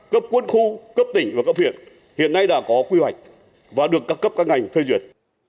cấp quân khu cấp tỉnh và cấp huyện hiện nay đã có quy hoạch và được các cấp các ngành phê duyệt